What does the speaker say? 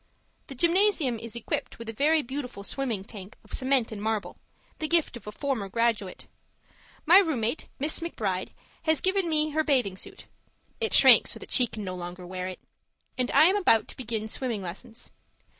The gymnasium is equipped with a very beautiful swimming tank of cement and marble, the gift of a former graduate. My room mate, Miss McBride, has given me her bathing suit (it shrank so that she can no longer wear it) and I am about to begin swimming lessons.